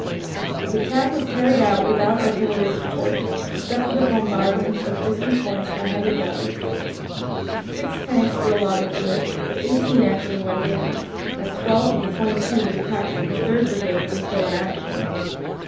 Its attack was carried out without artillery support, except for the bombardment of distant points by heavy guns. Six tanks were allotted to it, but 18 actually went in, as 12 of the 22 that attacked with the 3rd Brigade were still in action.